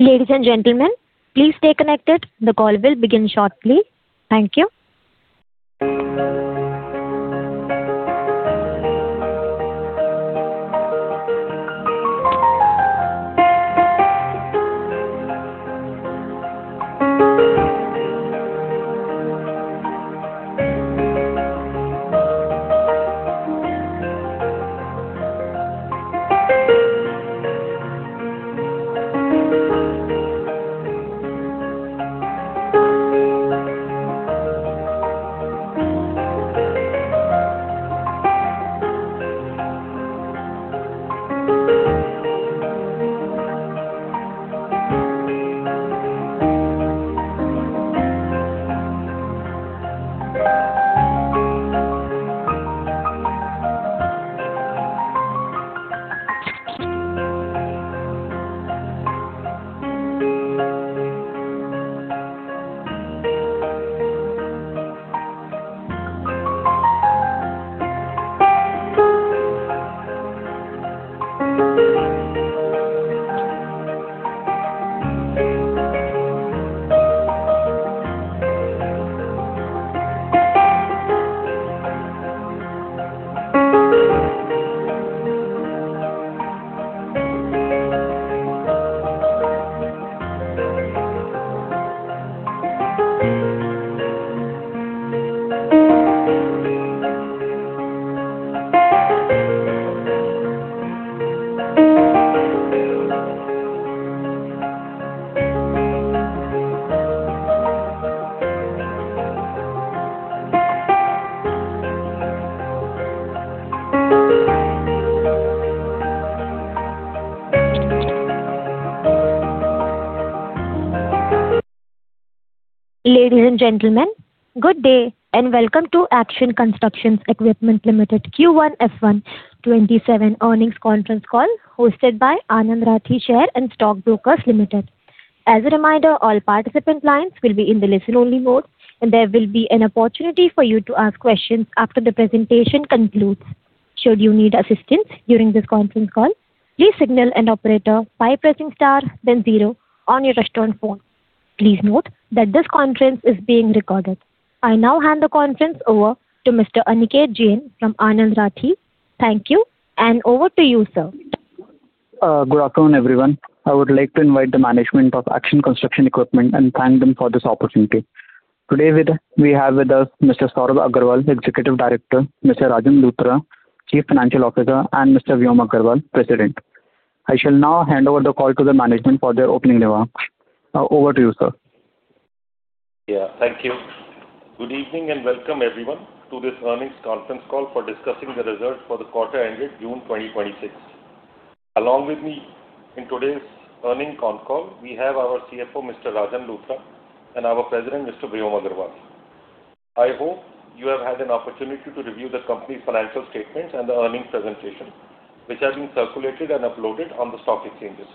Ladies and gentlemen, please stay connected. The call will begin shortly. Thank you. Ladies and gentlemen, good day and welcome to Action Construction Equipment Limited Q1 FY 2027 earnings conference call hosted by Anand Rathi Share and Stock Brokers Limited. As a reminder, all participant lines will be in the listen-only mode and there will be an opportunity for you to ask questions after the presentation concludes. Should you need assistance during this conference call, please signal an operator by pressing star then zero on your touchtone phone. Please note that this conference is being recorded. I now hand the conference over to Mr. Aniket Jain from Anand Rathi. Thank you and over to you, sir. Good afternoon, everyone. I would like to invite the management of Action Construction Equipment and thank them for this opportunity. Today, we have with us Mr. Sorab Agarwal, Executive Director, Mr. Rajan Luthra, Chief Financial Officer, and Mr. Vyom Agarwal, President. I shall now hand over the call to the management for their opening remarks. Over to you, sir. Thank you. Good evening and welcome everyone to this earnings conference call for discussing the results for the quarter ended June 2026. Along with me in today's earnings conference call, we have our CFO, Mr. Rajan Luthra and our President, Mr. Vyom Agarwal. I hope you have had an opportunity to review the company's financial statements and the earnings presentation, which has been circulated and uploaded on the stock exchanges.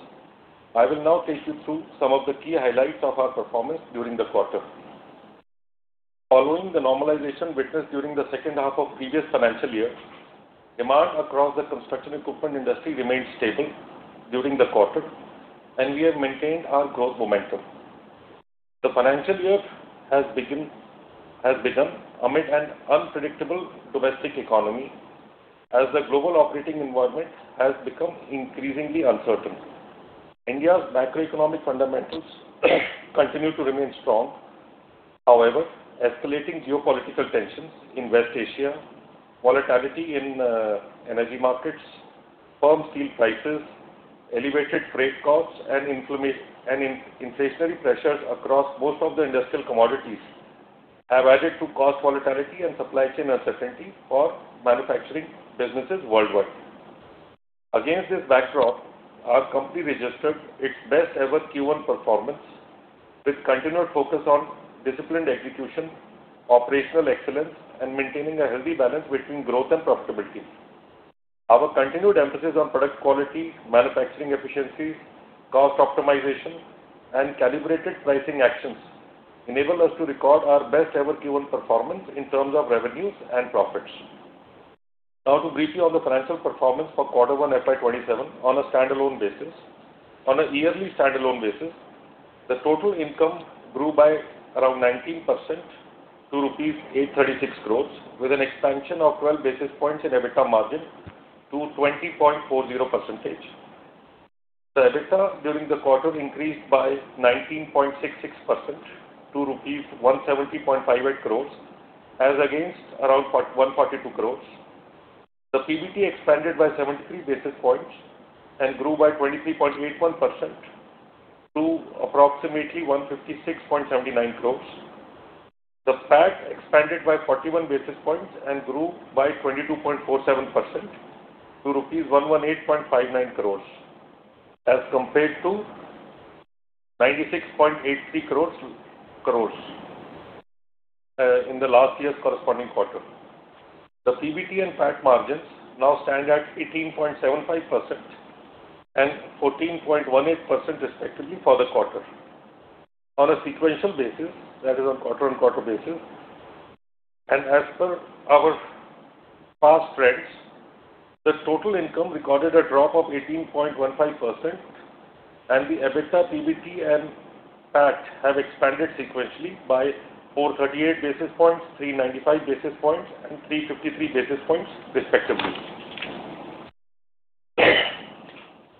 I will now take you through some of the key highlights of our performance during the quarter. Following the normalization witnessed during the second half of previous financial year, demand across the construction equipment industry remained stable during the quarter and we have maintained our growth momentum. The financial year has begun amid an unpredictable domestic economy as the global operating environment has become increasingly uncertain. India's macroeconomic fundamentals continue to remain strong. Escalating geopolitical tensions in West Asia, volatility in energy markets, firm steel prices, elevated freight costs and inflationary pressures across most of the industrial commodities have added to cost volatility and supply chain uncertainty for manufacturing businesses worldwide. Against this backdrop, our company registered its best ever Q1 performance with continued focus on disciplined execution, operational excellence and maintaining a healthy balance between growth and profitability. Our continued emphasis on product quality, manufacturing efficiency, cost optimization and calibrated pricing actions enable us to record our best ever Q1 performance in terms of revenues and profits. Now to brief you on the financial performance for quarter one FY 2027 on a standalone basis. On a yearly standalone basis, the total income grew by around 19% to rupees 836 crores with an expansion of 12 basis points in EBITDA margin to 20.40%. The EBITDA during the quarter increased by 19.66% to rupees 170.58 crores as against around 142 crores. The PBT expanded by 73 basis points and grew by 23.81% to approximately 156.79 crores. The PAT expanded by 41 basis points and grew by 22.47% to rupees 118.59 crores as compared to 96.83 crores, in the last year's corresponding quarter. The PBT and PAT margins now stand at 18.75% and 14.18% respectively for the quarter. On a sequential basis, that is on quarter-over-quarter basis, as per our past trends, the total income recorded a drop of 18.15%, and the EBITDA, PBT, and PAT have expanded sequentially by 438 basis points, 395 basis points, and 353 basis points respectively.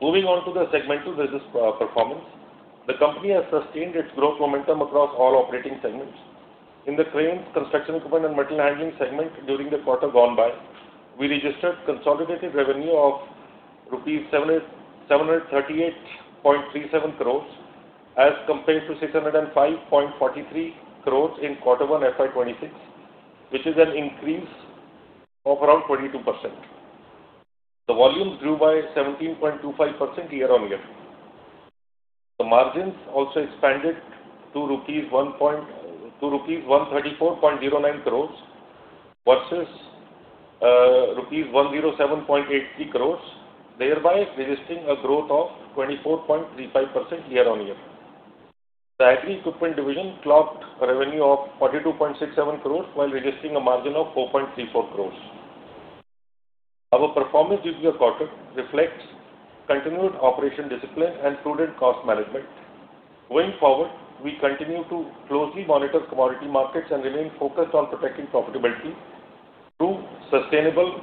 Moving on to the segmental business performance. The company has sustained its growth momentum across all operating segments. In the cranes, construction equipment, and material handling segment during the quarter gone by, we registered consolidated revenue of rupees 738.37 crores, as compared to 605.43 crores in Q1 FY 2026, which is an increase of around 22%. The volumes grew by 17.25% year-over-year. The margins also expanded to rupees 134.09 crores versus rupees 107.83 crores, thereby registering a growth of 24.35% year-over-year. The agri equipment division clocked revenue of 42.67 crores while registering a margin of 4.34 crores. Our performance this quarter reflects continued operation discipline and prudent cost management. Going forward, we continue to closely monitor commodity markets and remain focused on protecting profitability through sustainable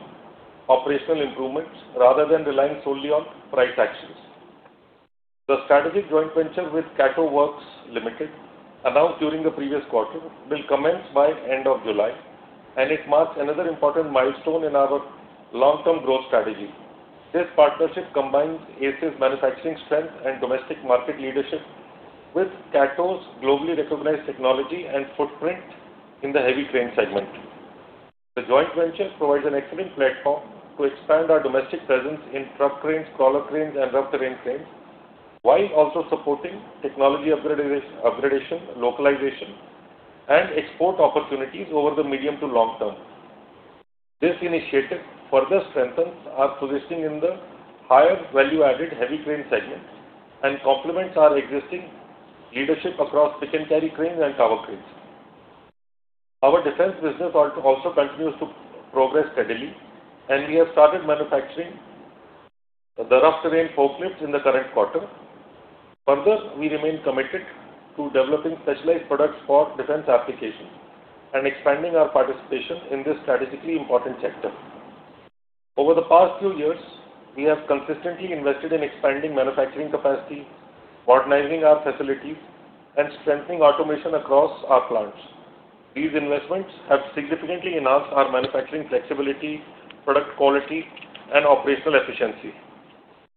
operational improvements rather than relying solely on price actions. The strategic joint venture with KATO Works Co., Ltd., announced during the previous quarter, will commence by end of July. It marks another important milestone in our long-term growth strategy. This partnership combines ACE's manufacturing strength and domestic market leadership with KATO's globally recognized technology and footprint in the heavy crane segment. The joint venture provides an excellent platform to expand our domestic presence in truck cranes, crawler cranes, and rough terrain cranes, while also supporting technology upgradation, localization, and export opportunities over the medium to long term. This initiative further strengthens our positioning in the higher value-added heavy crane segment and complements our existing leadership across pick-and-carry cranes and tower cranes. Our defense business also continues to progress steadily. We have started manufacturing the rough terrain forklifts in the current quarter. Further, we remain committed to developing specialized products for defense applications and expanding our participation in this strategically important sector. Over the past few years, we have consistently invested in expanding manufacturing capacity, modernizing our facilities, and strengthening automation across our plants. These investments have significantly enhanced our manufacturing flexibility, product quality, and operational efficiency.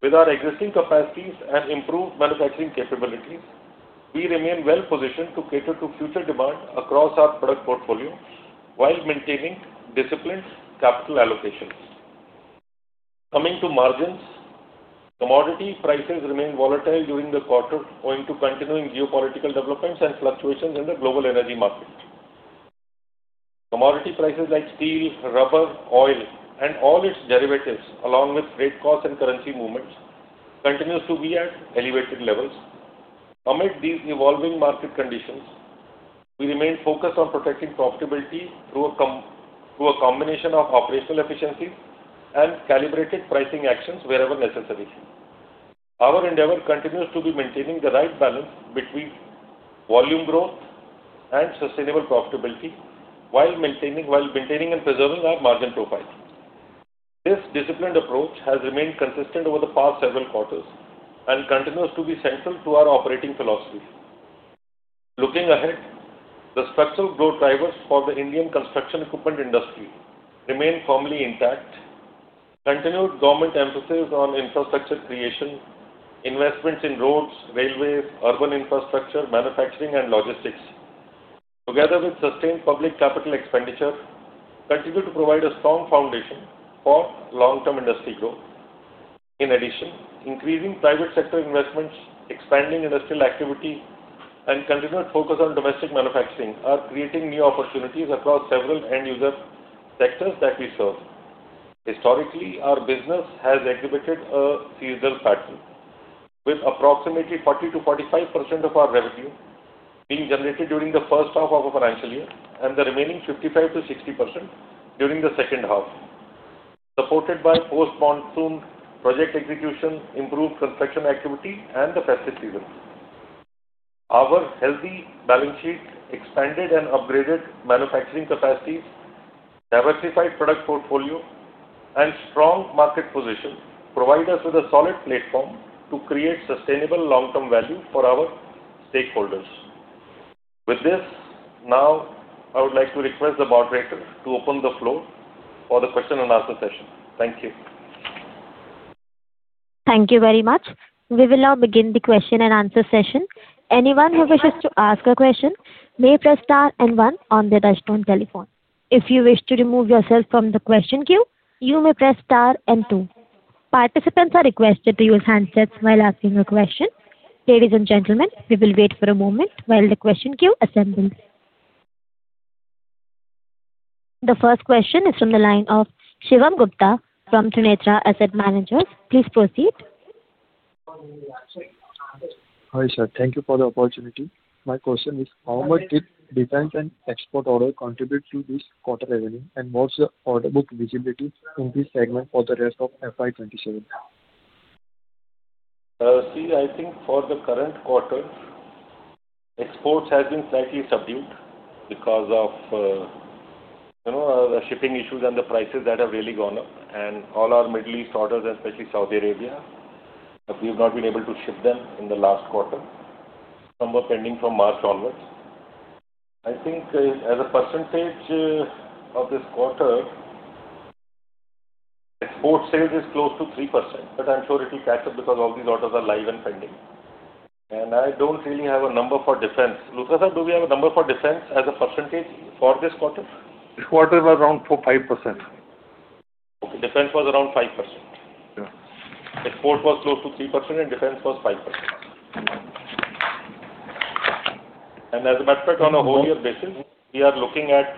With our existing capacities and improved manufacturing capabilities, we remain well-positioned to cater to future demand across our product portfolio while maintaining disciplined capital allocations. Coming to margins, commodity prices remained volatile during the quarter owing to continuing geopolitical developments and fluctuations in the global energy market. Commodity prices like steel, rubber, oil, and all its derivatives, along with freight costs and currency movements, continue to be at elevated levels. Amid these evolving market conditions, we remain focused on protecting profitability through a combination of operational efficiencies and calibrated pricing actions wherever necessary. Our endeavor continues to be maintaining the right balance between volume growth and sustainable profitability, while maintaining and preserving our margin profile. This disciplined approach has remained consistent over the past several quarters and continues to be central to our operating philosophy. Looking ahead, the structural growth drivers for the Indian construction equipment industry remain firmly intact. Continued government emphasis on infrastructure creation, investments in roads, railways, urban infrastructure, manufacturing, and logistics, together with sustained public capital expenditure, continue to provide a strong foundation for long-term industry growth. In addition, increasing private sector investments, expanding industrial activity, and continued focus on domestic manufacturing are creating new opportunities across several end-user sectors that we serve. Historically, our business has exhibited a seasonal pattern, with approximately 40%-45% of our revenue being generated during the first half of our financial year and the remaining 55%-60% during the second half, supported by post-monsoon project execution, improved construction activity, and the festive season. Our healthy balance sheet, expanded and upgraded manufacturing capacities, diversified product portfolio, and strong market position provide us with a solid platform to create sustainable long-term value for our stakeholders. With this, I would like to request the moderator to open the floor for the question and answer session. Thank you. Thank you very much. We will now begin the question and answer session. Anyone who wishes to ask a question may press star and one on their touchtone telephone. If you wish to remove yourself from the question queue, you may press star and two. Participants are requested to use handsets while asking a question. Ladies and gentlemen, we will wait for a moment while the question queue assembles. The first question is from the line of Shivam Gupta from Trinetra Asset Managers. Please proceed. Hi, sir. Thank you for the opportunity. My question is, how much did defense and export orders contribute to this quarter revenue, and what's the order book visibility in this segment for the rest of FY 2027? See, I think for the current quarter, exports has been slightly subdued because of the shipping issues and the prices that have really gone up. All our Middle East orders, especially Saudi Arabia, we've not been able to ship them in the last quarter. Some were pending from March onwards. I think as a percentage of this quarter, export sales is close to 3%, but I'm sure it will catch up because all these orders are live and pending. I don't really have a number for defense. Luthra, sir, do we have a number for defense as a percentage for this quarter? This quarter was around 5%. Okay, defense was around 5%. Yeah. Export was close to 3%, and defense was 5%. As a matter of fact, on a whole year basis, we are looking at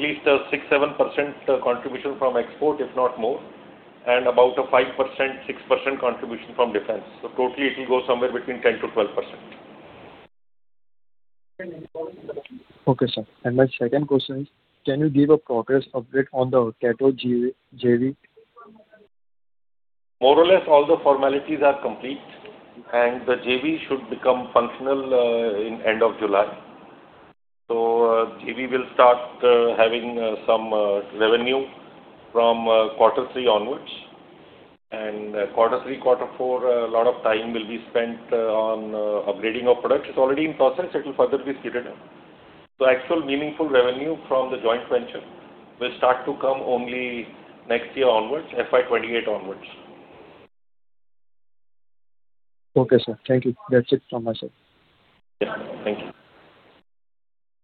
least a 6%-7% contribution from export, if not more, and about a 5%-6% contribution from defense. Totally it will go somewhere between 10%-12%. Okay, sir. My second question is, can you give a progress update on the KATO JV? More or less, all the formalities are complete, and the JV should become functional in end of July. JV will start having some revenue from quarter three onwards. Quarter three, quarter four, a lot of time will be spent on upgrading our products. It's already in process. It will further be speeded up. Actual meaningful revenue from the joint venture will start to come only next year onwards, FY 2028 onwards. Okay, sir. Thank you. That's it from my side. Yeah. Thank you.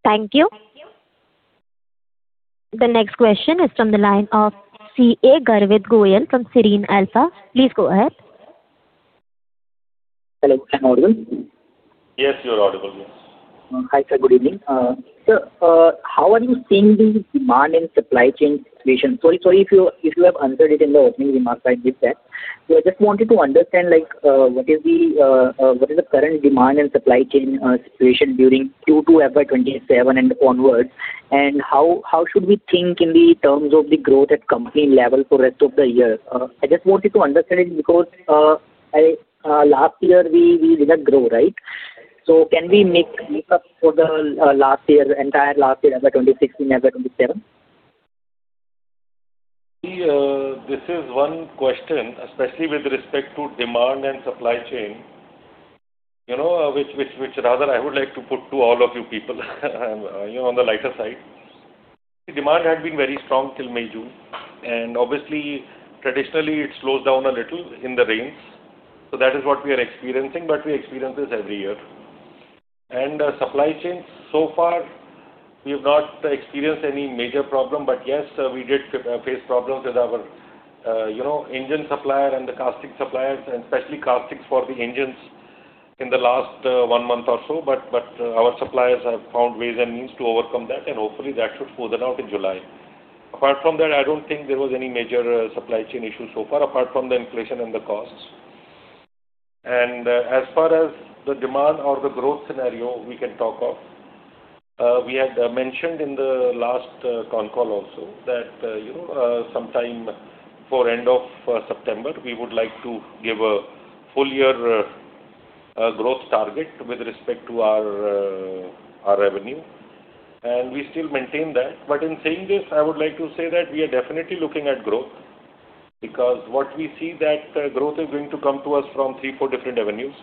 Thank you. The next question is from the line of C.A. Garvit Goyal from Serene Alpha. Please go ahead. Hello, am I audible? Yes, you're audible. Yes. Hi, sir, good evening. Sir, how are you seeing the demand and supply chain situation? Sorry if you have answered it in the opening remarks, I missed that. I just wanted to understand what is the current demand and supply chain situation during FY 2027 and onwards, and how should we think in the terms of the growth at company level for rest of the year? I just wanted to understand it because last year we did not grow, right? Can we make up for the entire last year, FY 2026 and FY 2027? This is one question, especially with respect to demand and supply chain, which rather I would like to put to all of you people on the lighter side. The demand had been very strong till May, June, and obviously, traditionally, it slows down a little in the rains. That is what we are experiencing, but we experience this every year. Supply chains, so far, we have not experienced any major problem. Yes, we did face problems with our engine supplier and the casting suppliers, especially castings for the engines in the last one month or so, but our suppliers have found ways and means to overcome that, hopefully, that should smoothen out in July. Apart from that, I don't think there was any major supply chain issue so far, apart from the inflation and the costs. As far as the demand or the growth scenario, we can talk of. We had mentioned in the last con call also that sometime before end of September, we would like to give a full year growth target with respect to our revenue, and we still maintain that. In saying this, I would like to say that we are definitely looking at growth, because what we see that growth is going to come to us from three, four different avenues.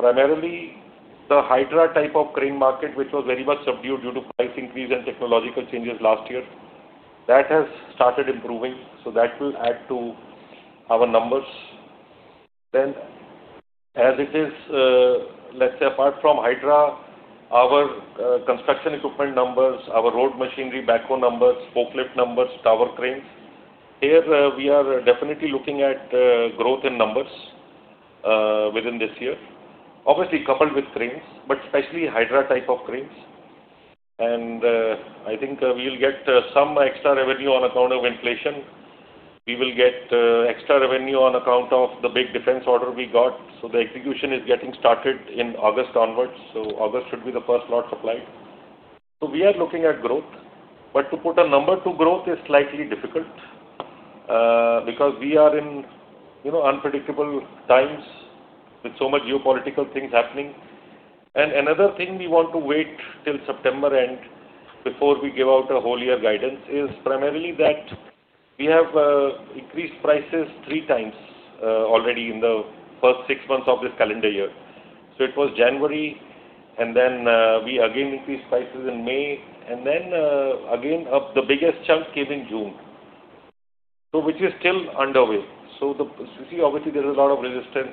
Primarily the Hydra type of crane market, which was very much subdued due to price increase and technological changes last year. That has started improving. That will add to our numbers. As it is, let's say apart from Hydra, our construction equipment numbers, our road machinery, backhoe numbers, forklift numbers, tower cranes. Here, we are definitely looking at growth in numbers within this year. Obviously, coupled with cranes, but especially Hydra type of cranes. I think we'll get some extra revenue on account of inflation. We will get extra revenue on account of the big defense order we got. The execution is getting started in August onwards. August should be the first lot supplied. We are looking at growth, but to put a number to growth is slightly difficult, because we are in unpredictable times with so much geopolitical things happening. Another thing we want to wait till September end, before we give out a whole year guidance, is primarily that we have increased prices three times already in the first six months of this calendar year. It was January, then we again increased prices in May, then again, the biggest chunk came in June. Which is still underway. You see, obviously, there is a lot of resistance,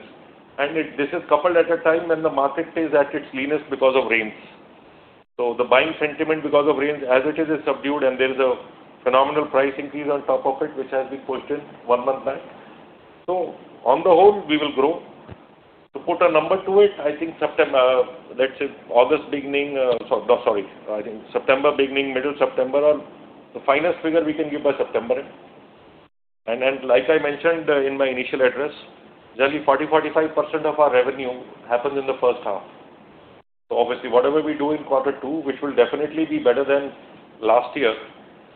and this is coupled at a time when the market is at its leanest because of rains. The buying sentiment because of rains as it is subdued, and there is a phenomenal price increase on top of it, which has been pushed in one month back. On the whole, we will grow. To put a number to it, I think September, let's say August beginning. Sorry. I think September beginning, middle September, or the finest figure we can give by September end. Like I mentioned in my initial address, generally 40%-45% of our revenue happens in the first half. Obviously, whatever we do in quarter two, which will definitely be better than last year,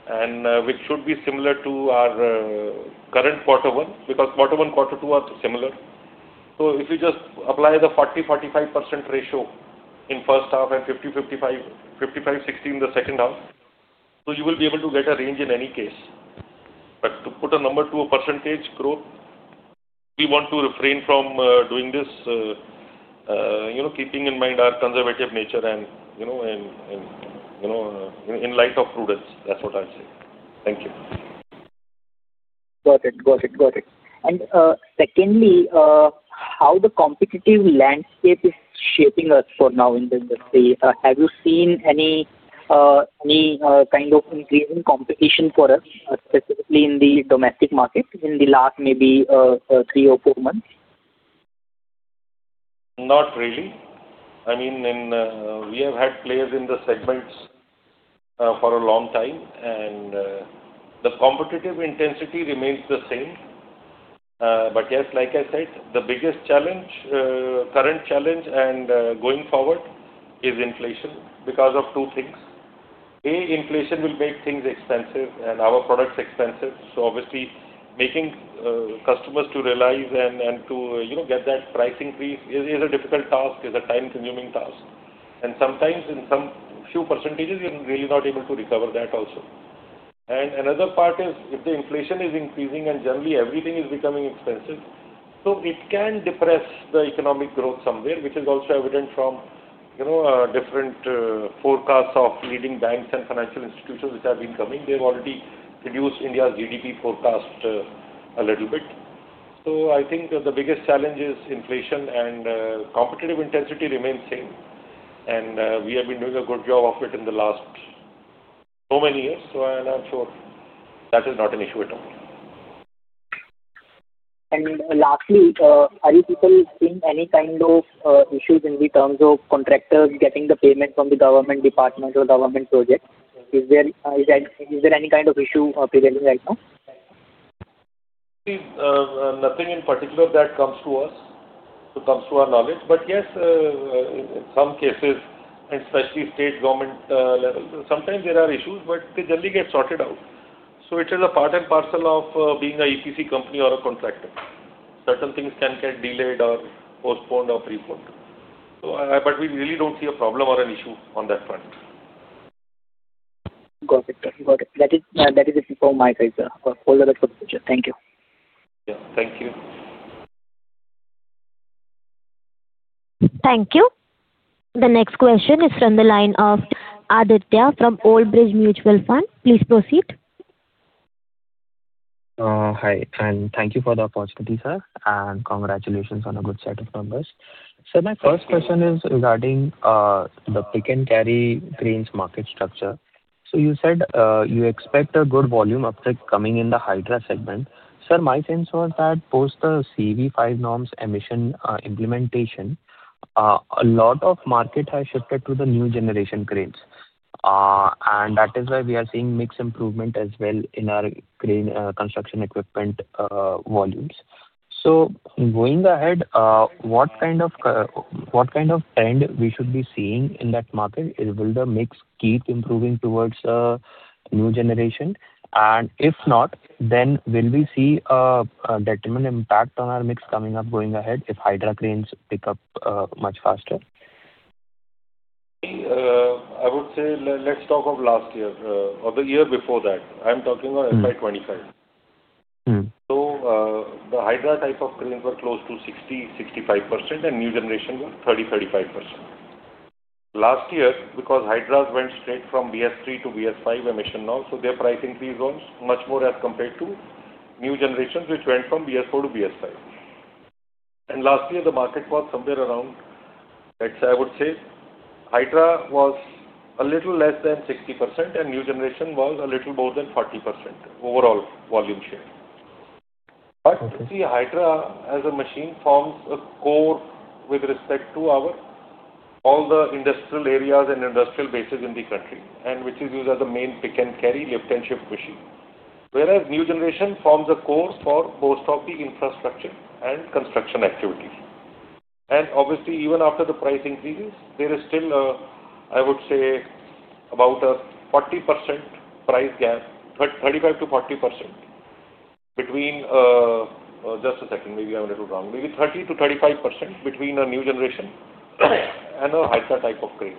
and which should be similar to our current quarter one, because quarter one, quarter two are similar. If you just apply the 40%-45% ratio in first half and 50%-55%, 60% in the second half, you will be able to get a range in any case. To put a number to a percentage growth, we want to refrain from doing this, keeping in mind our conservative nature and in light of prudence. That's what I'll say. Thank you. Got it. Secondly, how the competitive landscape is shaping us for now in the industry. Have you seen any kind of increasing competition for us, specifically in the domestic market in the last maybe three or four months? Not really. We have had players in the segments for a long time, the competitive intensity remains the same. Yes, like I said, the biggest challenge, current challenge and going forward is inflation, because of two things. A, inflation will make things expensive and our products expensive, obviously making customers to realize and to get that pricing piece is a difficult task, is a time-consuming task. Sometimes in some few percentages, you're really not able to recover that also. Another part is, if the inflation is increasing and generally everything is becoming expensive, it can depress the economic growth somewhere, which is also evident from different forecasts of leading banks and financial institutions which have been coming. They've already reduced India's GDP forecast a little bit. I think the biggest challenge is inflation and competitive intensity remains same. We have been doing a good job of it in the last so many years. I'm sure that is not an issue at all. Lastly, are you people seeing any kind of issues in the terms of contractors getting the payment from the government department or government projects? Is there any kind of issue prevailing right now? Nothing in particular that comes to us, that comes to our knowledge, but yes, in some cases, and especially state government level, sometimes there are issues, but they generally get sorted out. It is a part and parcel of being a EPC company or a contractor. Certain things can get delayed or postponed or preponed. We really don't see a problem or an issue on that front. Got it. That is it from my side, sir. All the best for the future. Thank you. Yeah. Thank you. Thank you. The next question is from the line of [Aditya] from Old Bridge Mutual Fund. Please proceed. Hi. Thank you for the opportunity, sir. Congratulations on a good set of numbers. Sir, my first question is regarding the pick-and-carry cranes market structure. You said you expect a good volume uptick coming in the Hydra segment. Sir, my sense was that post the CEV Stage V norms emission implementation, a lot of market has shifted to the new generation cranes. That is why we are seeing mix improvement as well in our crane construction equipment volumes. Going ahead, what kind of trend we should be seeing in that market? Will the mix keep improving towards new generation? If not, then will we see a detriment impact on our mix coming up going ahead if Hydra cranes pick up much faster? I would say, let's talk of last year or the year before that. I'm talking of FY 2025. The Hydra type of cranes were close to 60%-65%, and new generation was 30%-35%. Last year, because Hydras went straight from BS3 to BS5 emission norm, their pricing fees rose much more as compared to new generations, which went from BS4 to BS5. Last year, the market was somewhere around, I would say Hydra was a little less than 60% and new generation was a little more than 40%, overall volume share. Okay. You see, Hydra as a machine forms a core with respect to all the industrial areas and industrial bases in the country, which is used as a main pick-and-carry lift and shift machine. Whereas new generation forms a core for most of the infrastructure and construction activities. Obviously, even after the price increases, there is still, I would say about a 40% price gap, 35%-40% between. Just a second. Maybe I'm a little wrong. Maybe 30%-35% between a new generation and a Hydra type of crane.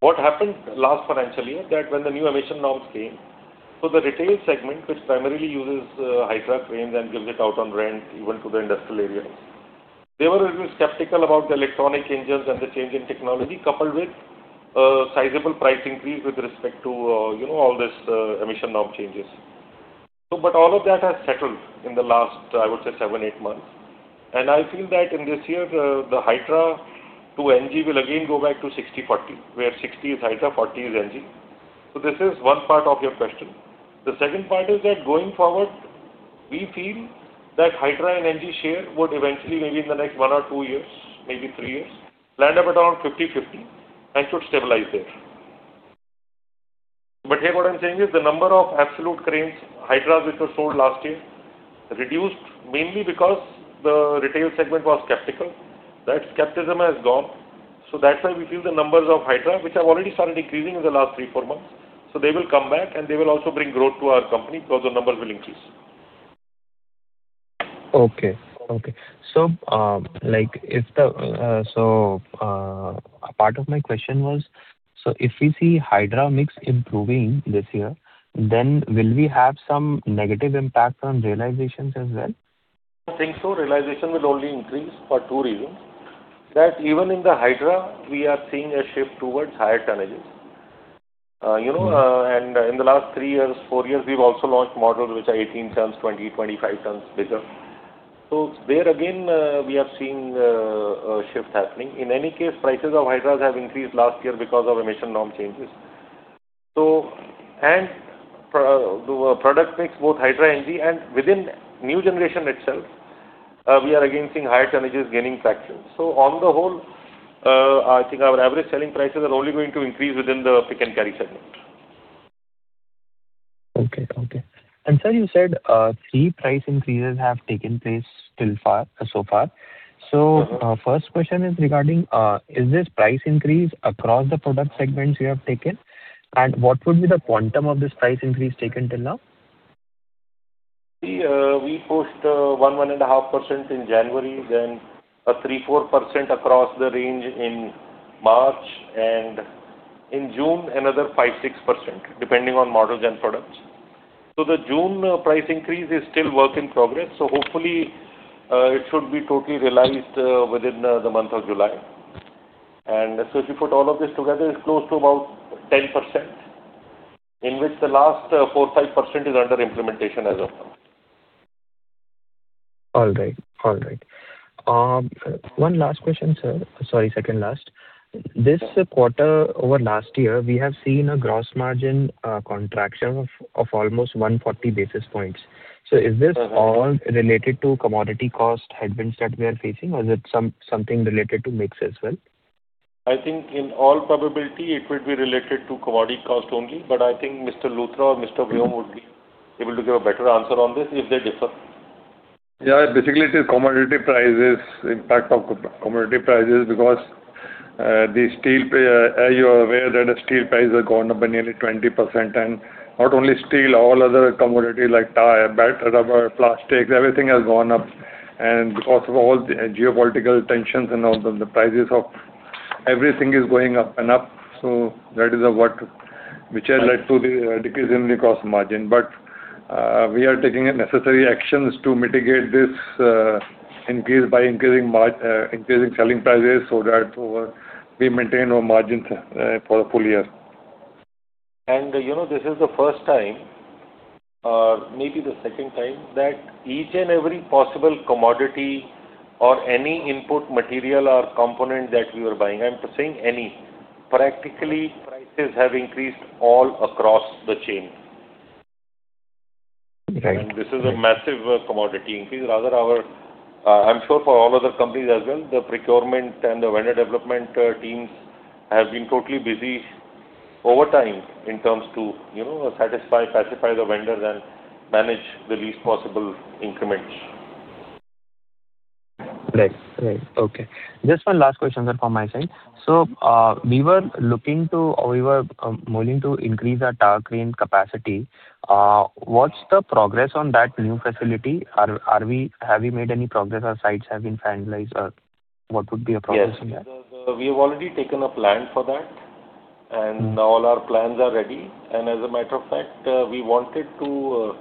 What happened last financial year that when the new emission norms came, the retail segment, which primarily uses Hydra cranes and gives it out on rent even to the industrial areas, they were a little skeptical about the electronic engines and the change in technology coupled with a sizable pricing fee with respect to all this emission norm changes. All of that has settled in the last, I would say seven, eight months. I feel that in this year, the Hydra to NG will again go back to 60/40, where 60 is Hydra, 40 is NG. This is one part of your question. The second part is that going forward, we feel that Hydra and NG share would eventually, maybe in the next one or two years, maybe three years, land up around 50/50 and should stabilize there. Here what I'm saying is the number of absolute cranes, Hydras, which were sold last year reduced mainly because the retail segment was skeptical. That skepticism has gone. That's why we feel the numbers of Hydra, which have already started increasing in the last three, four months. They will come back, and they will also bring growth to our company because the numbers will increase. Okay. A part of my question was, if we see Hydra mix improving this year, will we have some negative impact on realizations as well? I don't think so. Realization will only increase for two reasons. Even in the Hydra, we are seeing a shift towards higher tonnages. In the last three years, four years, we've also launched models which are 18 tons, 20 tons, 25 tons bigger. There again, we have seen a shift happening. In any case, prices of Hydras have increased last year because of emission norm changes. The product mix, both Hydra, NG, and within new generation itself, we are again seeing higher tonnages gaining traction. On the whole, I think our average selling prices are only going to increase within the pick-and-carry segment. Okay. Sir, you said three price increases have taken place so far. First question is regarding, is this price increase across the product segments you have taken? What would be the quantum of this price increase taken till now? We pushed 1.5% in January, then a 3%-4% across the range in March, and in June, another 5%-6%, depending on models and products. The June price increase is still work in progress, so hopefully, it should be totally realized within the month of July. If you put all of this together, it's close to about 10%, in which the last 4%-5% is under implementation as of now. All right. One last question, sir. Sorry, second last. This quarter-over-last-year, we have seen a gross margin contraction of almost 140 basis points. Is this all related to commodity cost headwinds that we are facing or is it something related to mix as well? I think in all probability it will be related to commodity cost only, but I think Mr. Luthra or Mr. Vyom would be able to give a better answer on this if they differ. Yeah, basically it is commodity prices, impact of commodity prices, because as you are aware that steel prices have gone up by nearly 20%. Not only steel, all other commodities like tire, belt, rubber, plastics, everything has gone up. Because of all the geopolitical tensions and all the prices of everything is going up and up. That is what has led to the decrease in the gross margin. We are taking necessary actions to mitigate this increase by increasing selling prices so that we maintain our margins for the full year. This is the first time or maybe the second time that each and every possible commodity or any input material or component that we were buying, I'm saying any, practically prices have increased all across the chain. Right. This is a massive commodity increase. Rather, I'm sure for all other companies as well, the procurement and the vendor development teams have been totally busy over time in terms to satisfy the vendors and manage the least possible increments. Right. Okay. Just one last question, sir, from my side. We were willing to increase our tower crane capacity. What's the progress on that new facility? Have we made any progress or sites have been finalized, or what would be a progress in that? Yes. We have already taken a plant for that, all our plans are ready. As a matter of fact, we wanted to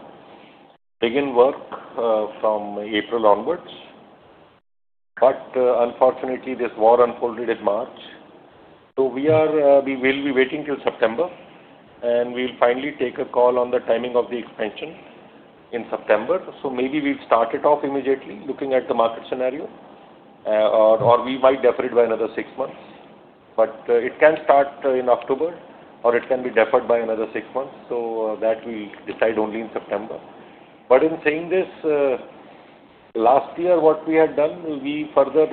begin work from April onwards. Unfortunately, this war unfolded in March. We will be waiting till September, and we'll finally take a call on the timing of the expansion in September. Maybe we'll start it off immediately, looking at the market scenario, or we might defer it by another six months, but it can start in October or it can be deferred by another six months. That we'll decide only in September. In saying this, last year what we had done, we further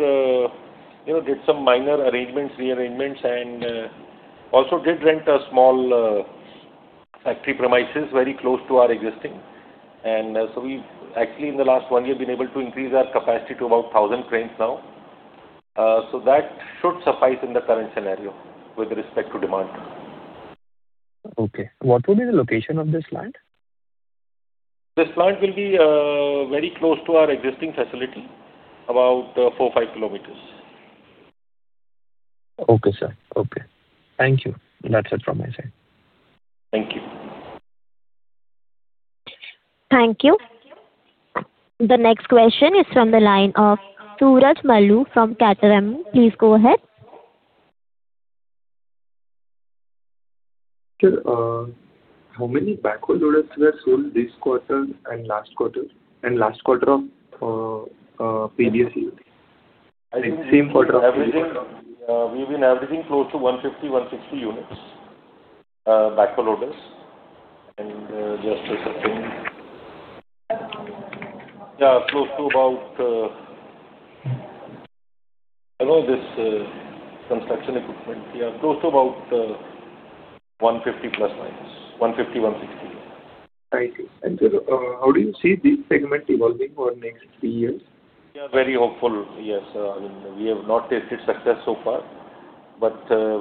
did some minor arrangements, rearrangements, and also did rent a small factory premises very close to our existing. We've actually in the last one year been able to increase our capacity to about 1,000 cranes now. That should suffice in the current scenario with respect to demand. Okay. What would be the location of this land? This plant will be very close to our existing facility, about four to 5 km. Okay, sir. Okay. Thank you. That's it from my side. Thank you. Thank you. The next question is from the line of Suraj Malu from Catamaran. Please go ahead. Sir, how many backlogged orders were sold this quarter and last quarter, and last quarter of previous year? I think we've been averaging close to 150-160 units, backhoe loaders and just a second. Yeah, close to about 150±. 150-160 units. Thank you. Sir, how do you see this segment evolving over the next three years? We are very hopeful. Yes. We have not tasted success so far,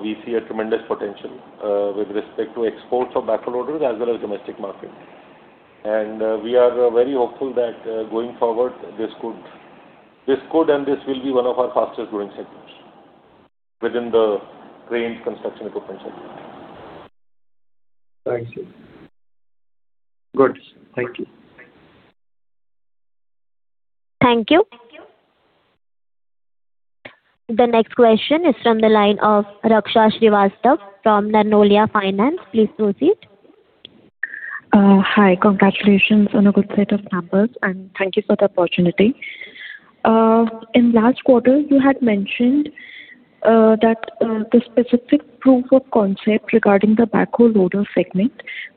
we see a tremendous potential, with respect to exports of backhoe loaders as well as domestic market. We are very hopeful that going forward, this could and this will be one of our fastest growing segments within the crane construction equipment segment. Thank you. Good. Thank you. Thank you. The next question is from the line of Raksha Srivastava from Narnolia Finance. Please proceed. Hi. Congratulations on a good set of numbers. Thank you for the opportunity. In last quarter, you had mentioned that the specific proof of concept regarding the backhoe loader segment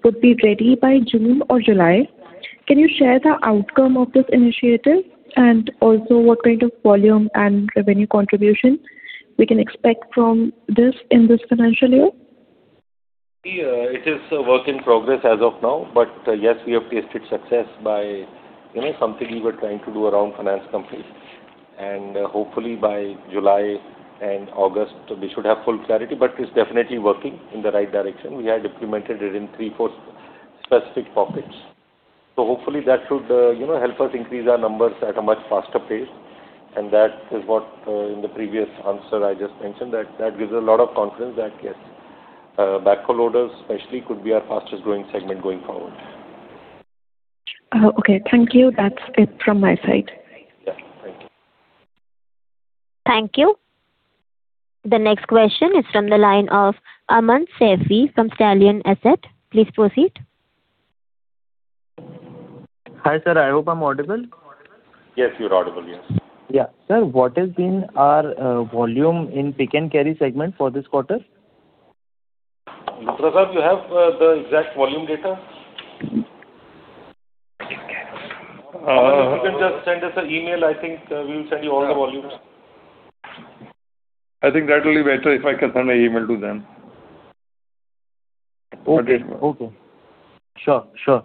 would be ready by June or July. What kind of volume and revenue contribution we can expect from this in this financial year? It is a work in progress as of now. Yes, we have tasted success by something we were trying to do around finance companies. Hopefully by July and August, we should have full clarity, but it's definitely working in the right direction. We had implemented it in three, four specific pockets. Hopefully that should help us increase our numbers at a much faster pace. That is what in the previous answer I just mentioned, that gives a lot of confidence that, yes, backhoe loaders especially could be our fastest growing segment going forward. Okay. Thank you. That's it from my side. Yeah. Thank you. Thank you. The next question is from the line of Aman Saifi from Stallion Asset. Please proceed. Hi, sir. I hope I'm audible. Yes, you're audible. Yes. Yeah. Sir, what has been our volume in pick-and-carry segment for this quarter? Luthra sir, do you have the exact volume data? You can just send us an email, I think we will send you all the volumes. I think that will be better if I can send an email to them. Okay. Sure. Sir,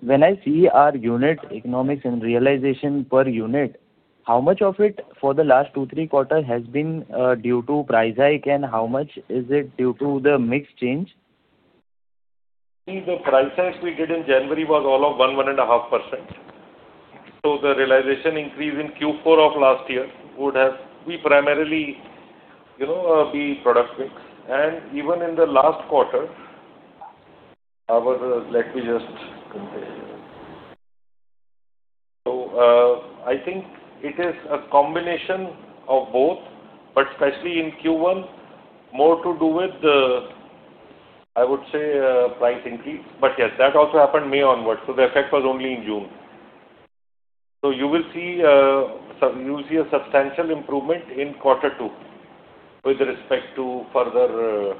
when I see our unit economics and realization per unit, how much of it for the last two, three quarters has been due to price hike, and how much is it due to the mix change? The price hike we did in January was all of 1%, 1.5%. The realization increase in Q4 of last year would have been primarily product mix. Even in the last quarter, let me just compare here. I think it is a combination of both, especially in Q1, more to do with, I would say, price increase. Yes, that also happened May onwards, the effect was only in June. You will see a substantial improvement in quarter two with respect to further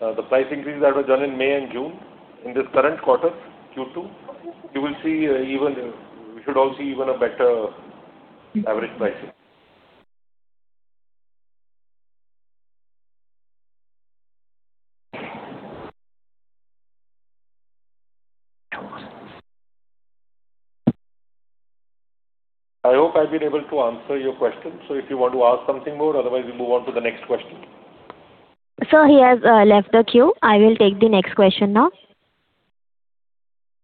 the price increase that was done in May and June. In this current quarter, Q2, we should all see even a better average price increase. I hope I've been able to answer your question. If you want to ask something more, otherwise we move on to the next question. Sir, he has left the queue. I will take the next question now.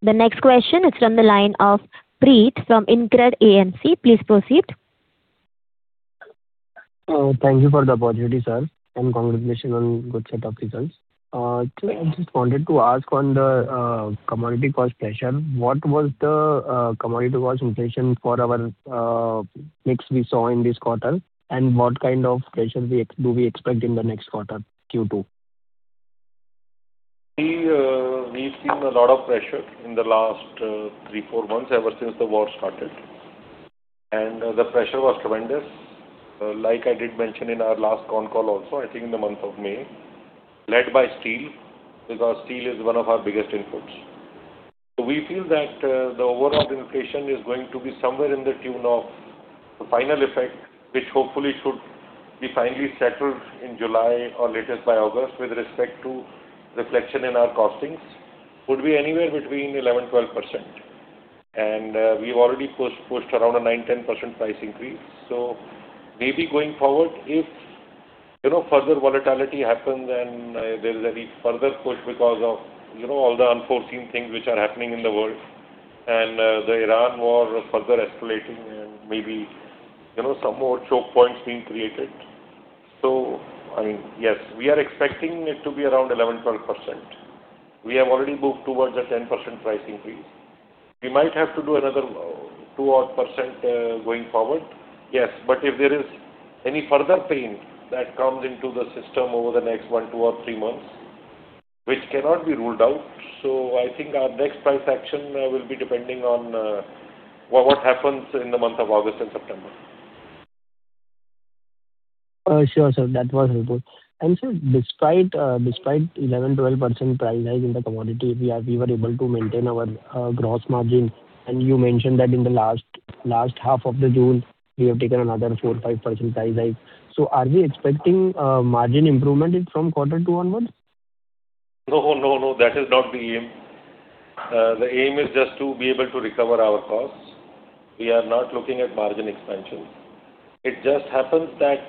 The next question is from the line of [Preet] from InCred AMC. Please proceed. Thank you for the opportunity, sir, and congratulations on good set of results. I just wanted to ask on the commodity cost pressure, what was the commodity cost inflation for our mix we saw in this quarter, and what kind of pressure do we expect in the next quarter, Q2? We've seen a lot of pressure in the last three, four months, ever since the war started. The pressure was tremendous. Like I did mention in our last con call also, I think in the month of May, led by steel, because steel is one of our biggest inputs. We feel that the overall inflation is going to be somewhere in the tune of the final effect, which hopefully should be finally settled in July or latest by August with respect to reflection in our costings, could be anywhere between 11%-12%. We've already pushed around a 9%-10% price increase. Maybe going forward, if further volatility happens and there is any further push because of all the unforeseen things which are happening in the world, and the Iran War further escalating and maybe some more choke points being created. Yes, we are expecting it to be around 11%-12%. We have already moved towards a 10% price increase. We might have to do another 2%-odd going forward, yes. If there is any further pain that comes into the system over the next one, two, or three months, which cannot be ruled out. I think our next price action will be depending on what happens in the month of August and September. Sure, sir. That was helpful. Sir, despite 11%-12% price hike in the commodity, we were able to maintain our gross margin. You mentioned that in the last half of June, we have taken another 4%-5% price hike. Are we expecting a margin improvement from quarter two onwards? No, that is not the aim. The aim is just to be able to recover our costs. We are not looking at margin expansion. It just happens that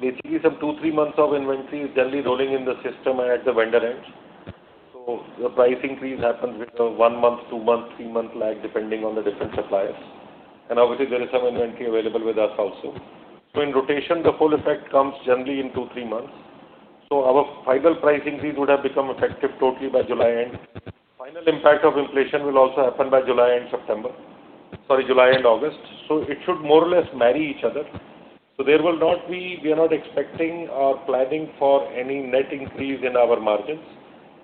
basically some two to three months of inventory is generally rolling in the system at the vendor end. The price increase happens with a one month, two months, three months lag, depending on the different suppliers. Obviously there is some inventory available with us also. In rotation, the full effect comes generally in two to three months. Our final price increase would have become effective totally by July end. Final impact of inflation will also happen by July and September. Sorry, July and August. It should more or less marry each other. We are not expecting or planning for any net increase in our margins.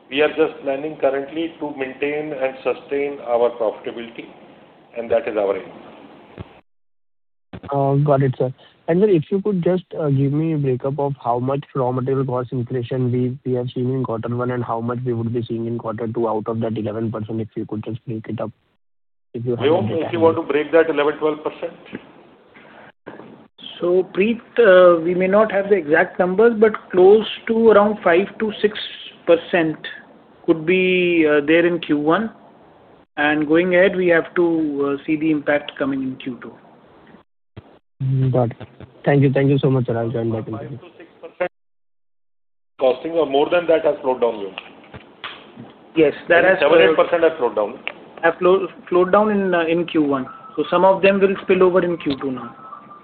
We are just planning currently to maintain and sustain our profitability, and that is our aim. Got it, sir. Sir, if you could just give me a breakup of how much raw material cost inflation we have seen in quarter one and how much we would be seeing in quarter two out of that 11%, if you could just break it up? Vyom, do you want to break that 11%-12%? Preet, we may not have the exact numbers, but close to around 5%-6% could be there in Q1. Going ahead, we have to see the impact coming in Q2. Got it. Thank you so much, sir. I'll join back in. 5%-6% costing or more than that has flowed down. Yes. 7%- 8% has flowed down. Has flowed down in Q1. Some of them will spill over in Q2 now.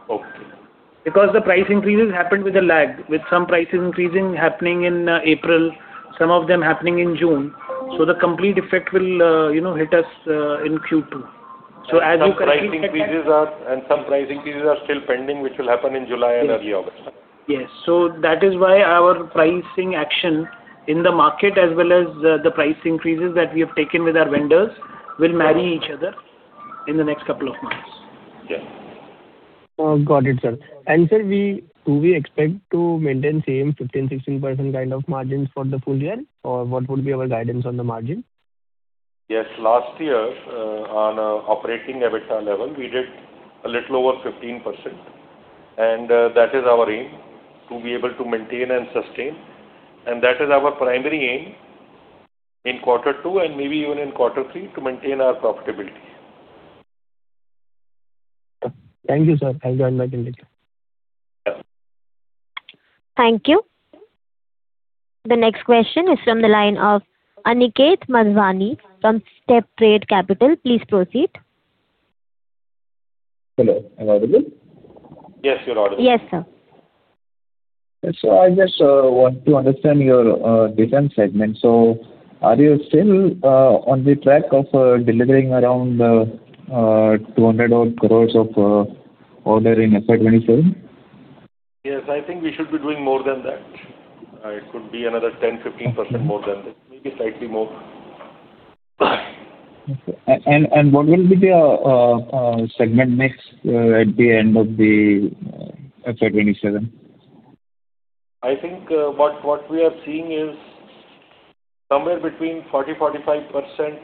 Okay. Because the price increases happened with a lag, with some prices increasing happening in April, some of them happening in June. The complete effect will hit us in Q2. Some price increases are still pending, which will happen in July and early August. Yes. That is why our pricing action in the market, as well as the price increases that we have taken with our vendors, will marry each other in the next couple of months. Yes. Got it, sir. Sir, do we expect to maintain same 15%-16% kind of margins for the full year? What would be our guidance on the margin? Yes. Last year, on operating EBITDA level, we did a little over 15%, and that is our aim to be able to maintain and sustain. That is our primary aim in quarter two and maybe even in quarter three to maintain our profitability. Thank you, sir. I'll join back in later. Yeah. Thank you. The next question is from the line of Aniket Madhwani from Steptrade Capital. Please proceed. Hello, am I audible? Yes, you're audible. Yes, sir. I just want to understand your defense segment. Are you still on the track of delivering around 200-odd crores of order in FY 2027? Yes, I think we should be doing more than that. It could be another 10%-15% more than this, maybe slightly more. What will be the segment mix at the end of the FY 2027? I think what we are seeing is somewhere between 40%-45%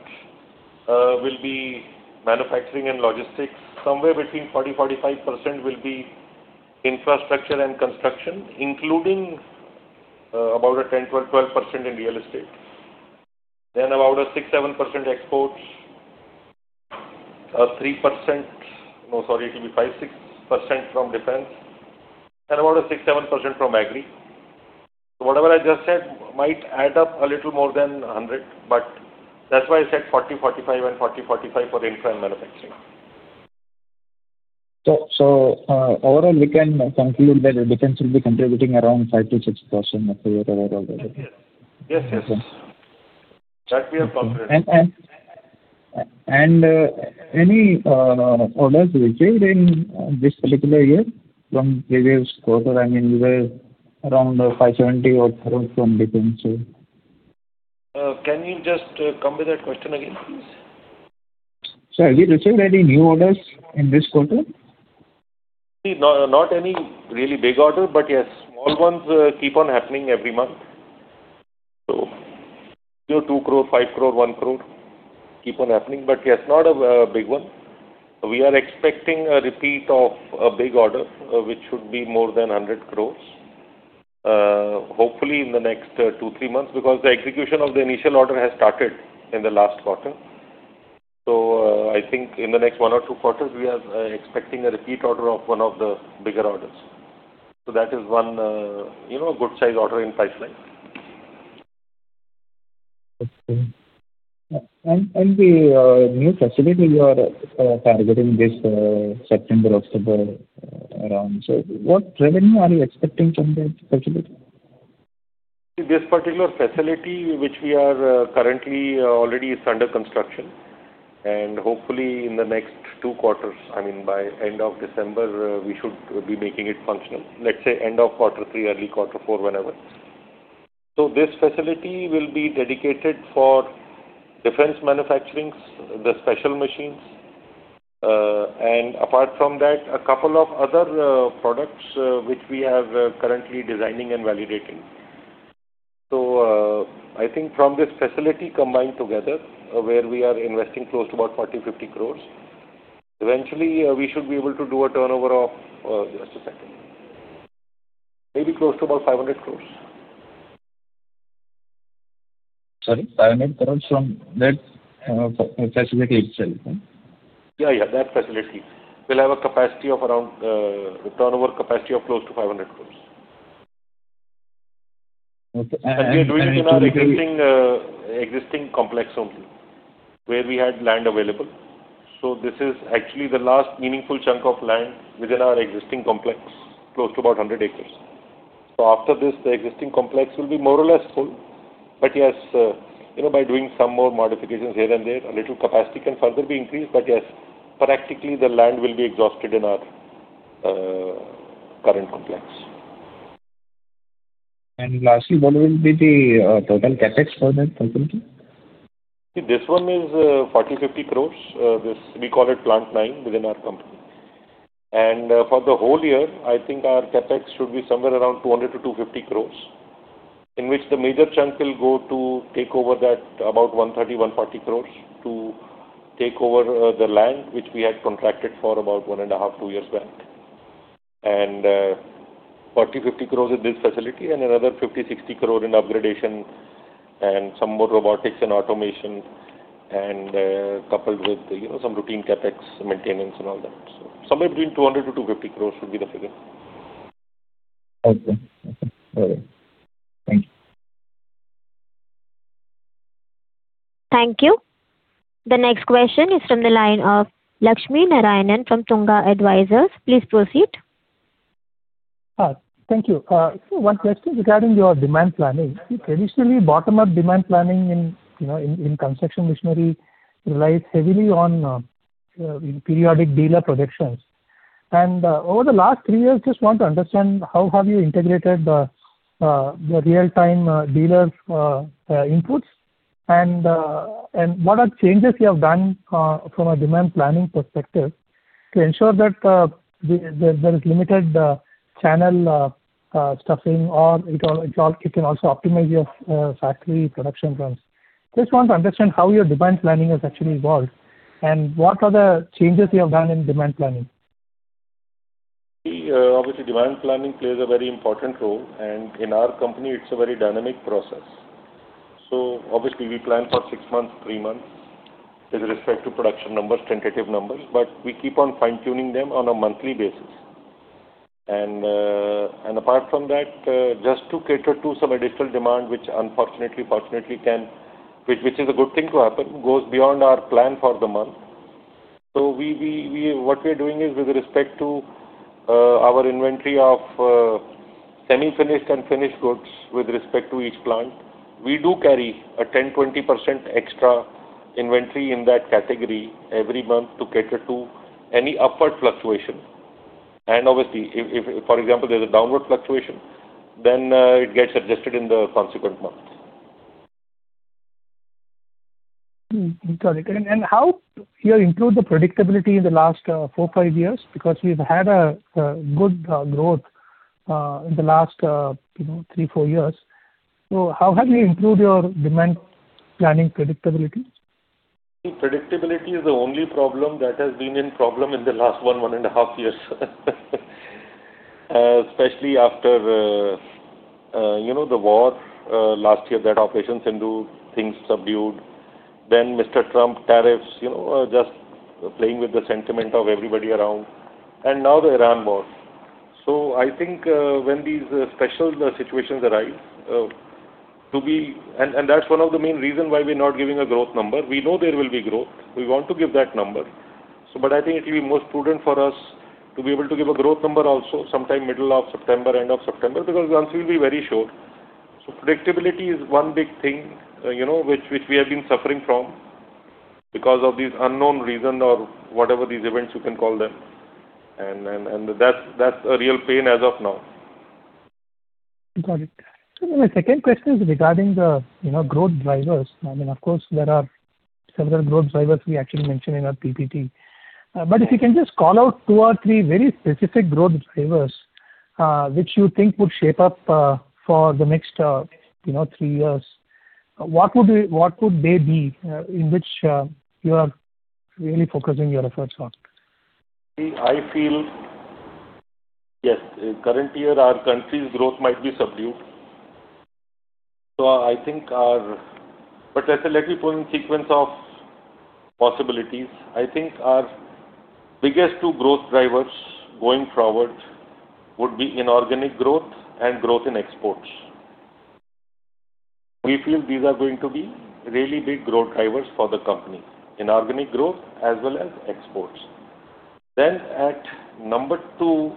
will be manufacturing and logistics. Somewhere between 40%-45% will be infrastructure and construction, including about a 10%-12% in real estate. About a 6%-7% exports, 3%, no, sorry, it will be 5%-6% from defense and about a 6%-7% from agri. Whatever I just said might add up a little more than 100%, but that's why I said 40%-45% and 40%-45% for infra and manufacturing. Overall, we can conclude that the defense will be contributing around 5%-6% of the year overall revenue? Yes. That we are confident. Any orders received in this particular year from previous quarter? I mean, you were around INR 570 crores from defense? Can you just come with that question again, please? Sir, have you received any new orders in this quarter? Not any really big order, yes, small ones keep on happening every month. Your 2 crores, 5 crores, 1 crore keep on happening. Yes, not a big one. We are expecting a repeat of a big order, which should be more than 100 crores, hopefully in the next two to three months, because the execution of the initial order has started in the last quarter. I think in the next one or two quarters, we are expecting a repeat order of one of the bigger orders. That is one good size order in pipeline. Okay. The new facility you are targeting this September-October around. What revenue are you expecting from that facility? This particular facility which we are currently already is under construction hopefully in the next two quarters, by end of December, we should be making it functional. Let's say end of quarter three, early quarter four, whenever. This facility will be dedicated for defense manufacturing, the special machines, and apart from that, a couple of other products which we are currently designing and validating. I think from this facility combined together, where we are investing close to about 40 crores-50 crores, eventually, we should be able to do a turnover of, just a second, maybe close to about 500 crores. Sorry, 500 crores from that facility itself? Yeah. That facility will have a turnover capacity of close to 500 crores. Okay. I think. We are doing it in our existing complex only where we had land available. This is actually the last meaningful chunk of land within our existing complex, close to about 100 acres. After this, the existing complex will be more or less full. Yes, by doing some more modifications here and there, a little capacity can further be increased. Yes, practically the land will be exhausted in our current complex. Lastly, what will be the total CapEx for that facility? This one is 40 crores-50 crores. We call it Plant Nine within our company. For the whole year, I think our CapEx should be somewhere around 200 crores-250 crores, in which the major chunk will go to take over that about 130 crores-140 crores to take over the land, which we had contracted for about 1.5-two years back. 40 crores-50 crores in this facility and another 50 crores-60 crores in upgradation and some more robotics and automation and coupled with some routine CapEx maintenance and all that. Somewhere between 200 crores-250 crores should be the figure. Okay. Very well. Thank you. Thank you. The next question is from the line of [Lakshminarayanan] from Tunga Advisors. Please proceed. Hi. Thank you. Sir, one question regarding your demand planning. Traditionally, bottom-up demand planning in construction machinery relies heavily on periodic dealer projections. Over the last three years, just want to understand how have you integrated the real-time dealers' inputs and what are the changes you have done from a demand planning perspective to ensure that there is limited channel stuffing, or it can also optimize your factory production plans. Just want to understand how your demand planning has actually evolved and what are the changes you have done in demand planning. Obviously, demand planning plays a very important role, and in our company it's a very dynamic process. Obviously we plan for six months, three months with respect to production numbers, tentative numbers, but we keep on fine-tuning them on a monthly basis. Apart from that, just to cater to some additional demand, which unfortunately, fortunately, which is a good thing to happen, goes beyond our plan for the month. What we're doing is with respect to our inventory of semi-finished and finished goods with respect to each plant, we do carry a 10%, 20% extra inventory in that category every month to cater to any upward fluctuation. Obviously if, for example, there's a downward fluctuation, it gets adjusted in the consequent months. Got it. How you improved the predictability in the last four to five years? Because we've had a good growth in the last three to four years. How have you improved your demand planning predictability? Predictability is the only problem that has been in problem in the last 1.5 years. Especially after the war last year, that Operation Sindoor, things subdued. Mr. Trump tariffs, just playing with the sentiment of everybody around. Now the Iran war. I think when these special situations arise, that's one of the main reason why we're not giving a growth number. We know there will be growth. We want to give that number. I think it'll be more prudent for us to be able to give a growth number also sometime middle of September, end of September, because once we'll be very sure. Predictability is one big thing which we have been suffering from because of these unknown reason or whatever these events you can call them. That's a real pain as of now. Got it. Sir, my second question is regarding the growth drivers. Of course, there are several growth drivers we actually mentioned in our PPT. If you can just call out two or three very specific growth drivers which you think would shape up for the next three years, what would they be in which you are really focusing your efforts on? I feel, yes, current year our country's growth might be subdued. Let me put in sequence of possibilities. I think our biggest two growth drivers going forward would be inorganic growth and growth in exports. We feel these are going to be really big growth drivers for the company, inorganic growth as well as exports. At number two,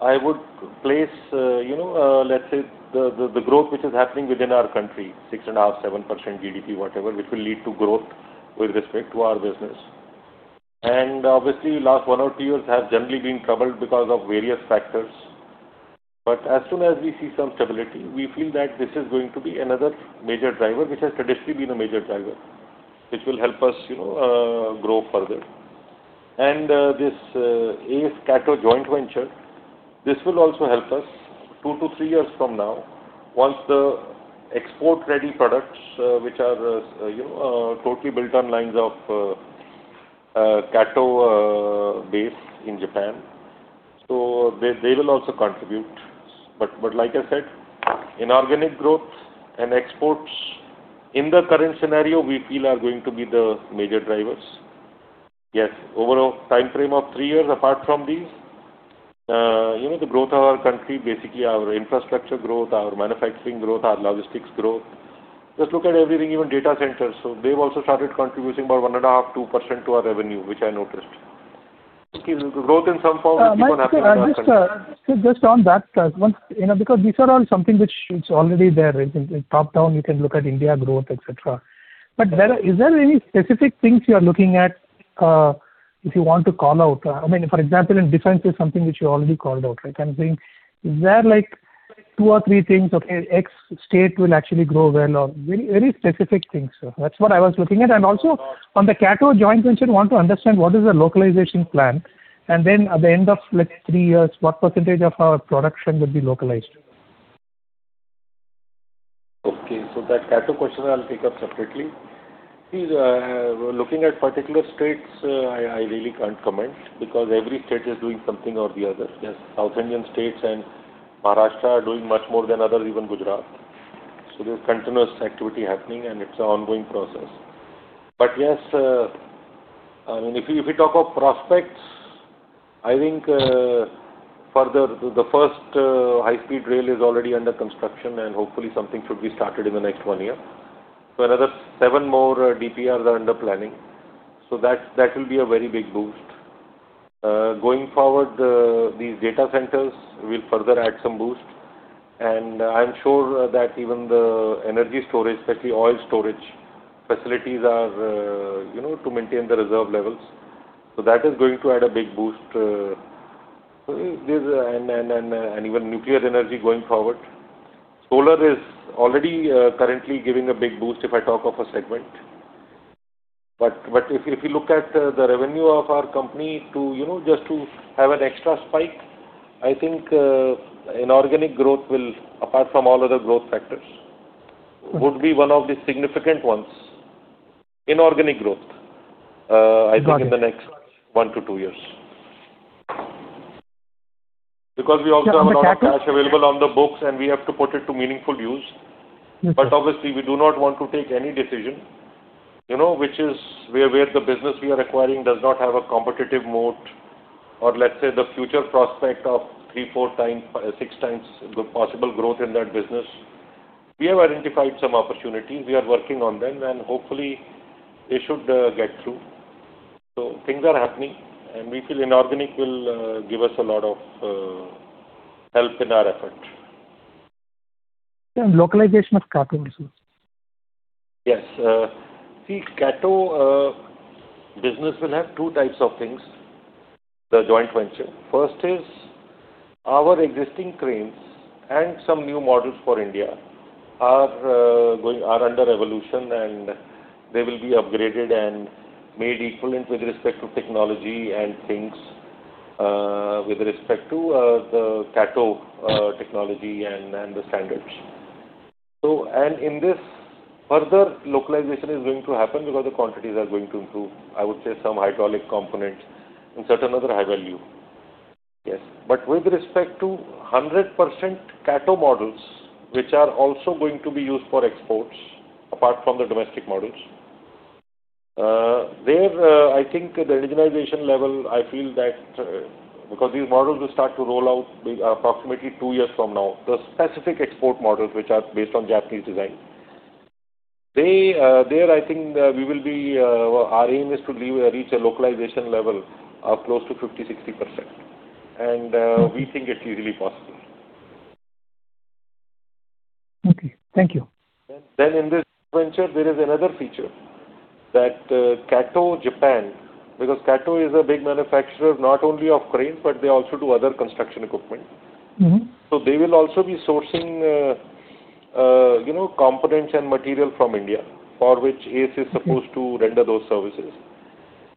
I would place, let's say, the growth which is happening within our country, 6.5%, 7% GDP, whatever, which will lead to growth with respect to our business. Obviously, last one or two years have generally been troubled because of various factors. As soon as we see some stability, we feel that this is going to be another major driver, which has traditionally been a major driver, which will help us grow further. This ACE-KATO joint venture, this will also help us two to three years from now, once the export-ready products, which are totally built on lines of KATO base in Japan. They will also contribute. Like I said, inorganic growth and exports in the current scenario, we feel are going to be the major drivers. Yes, overall timeframe of three years apart from these, the growth of our country, basically our infrastructure growth, our manufacturing growth, our logistics growth. Just look at everything, even data centers. They've also started contributing about 1.5%-2% to our revenue, which I noticed. Growth in some form will keep on happening in our country. Sir, just on that, because these are all something which is already there. Top-down, you can look at India growth, etc. Is there any specific things you are looking at if you want to call out? I mean, for example, in defense, it's something which you already called out. I'm saying, is there two or three things, okay, X state will actually grow well or very specific things, sir. That's what I was looking at. Also on the KATO joint venture, want to understand what is the localization plan, and then at the end of three years, what percentage of our production would be localized? Okay. That KATO question I'll take up separately. Please, looking at particular states, I really can't comment because every state is doing something or the other. Yes, South Indian states and Maharashtra are doing much more than others, even Gujarat. There's continuous activity happening and it's an ongoing process. Yes, if you talk of prospects, I think the first high-speed rail is already under construction, and hopefully something should be started in the next one year. Another seven more DPRs are under planning. That will be a very big boost. Going forward, these data centers will further add some boost, and I'm sure that even the energy storage, especially oil storage facilities are to maintain the reserve levels. That is going to add a big boost. Even nuclear energy going forward. Solar is already currently giving a big boost if I talk of a segment. If you look at the revenue of our company just to have an extra spike, I think inorganic growth will, apart from all other growth factors, would be one of the significant ones. Inorganic growth, I think in the next one to two years. We also have a lot of cash available on the books and we have to put it to meaningful use. Okay. Obviously, we do not want to take any decision, where the business we are acquiring does not have a competitive moat or let's say the future prospect of 3x, 4x, 6x possible growth in that business. We have identified some opportunities. We are working on them, and hopefully they should get through. Things are happening, and we feel inorganic will give us a lot of help in our effort. Localization of KATO also? Yes. See, KATO business will have two types of things, the joint venture. First is our existing cranes and some new models for India are under evolution, and they will be upgraded and made equivalent with respect to technology and things with respect to the KATO technology and the standards. In this, further localization is going to happen because the quantities are going to improve. I would say some hydraulic components and certain other high value. Yes. With respect to 100% KATO models, which are also going to be used for exports, apart from the domestic models, there, I think the indigenization level, I feel that because these models will start to roll out approximately two years from now, the specific export models which are based on Japanese design. There, I think our aim is to reach a localization level of close to 50%-60%, we think it's easily possible. Okay. Thank you. In this venture, there is another feature that KATO, Japan, because KATO is a big manufacturer not only of cranes, but they also do other construction equipment. They will also be sourcing components and material from India for which ACE is supposed to render those services.